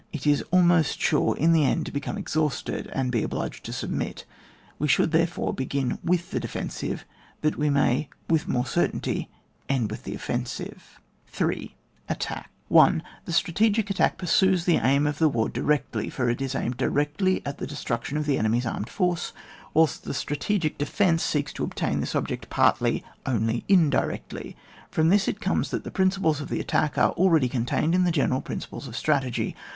it is almost sure in the end to become exhausted, and be obliged to submit We should therefore begin with the defensive, that we may with the more certainty end with the offensive. in.— ATTACK. 1. The strategic attack piirsues the aim of the war directly, for it is aimed directly at the destruction of the enemy's armed force, whilst the strategic de fence seeks to obtain this object partly only indirectly. From this it comes that the principles of the attack are already contained in the general principles of strategy.